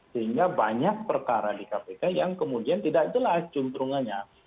sehingga banyak perkara di kpk yang kemudian tidak jelas cuntrungannya